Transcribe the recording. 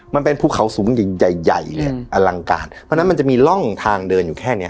มันเป็นภูเขาสูงใหญ่ใหญ่ใหญ่เลยอลังการเพราะฉะนั้นมันจะมีร่องทางเดินอยู่แค่เนี้ย